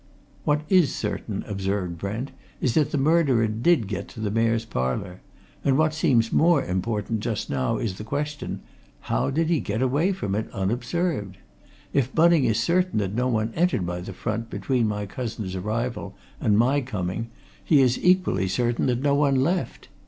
"What is certain," observed Brent, "is that the murderer did get to the Mayor's Parlour. And what seems more important just now is the question how did he get away from it, unobserved? If Bunning is certain that no one entered by the front between my cousin's arrival and my coming, he is equally certain that no one left.